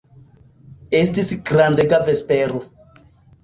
Estis grandega vespero.